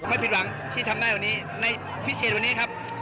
ไม่ผิดหวังที่ทำได้วันนี้ในพิเศษวันนี้ครับ